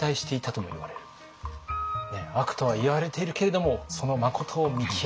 悪とはいわれているけれどもそのまことを見きわめよ。